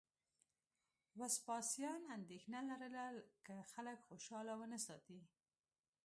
وسپاسیان اندېښنه لرله که خلک خوشاله ونه ساتي